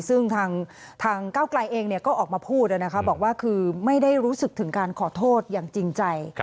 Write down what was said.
ซึ่งทางก้าวไกลเองก็ออกมาพูดบอกว่าคือไม่ได้รู้สึกถึงการขอโทษอย่างจริงใจ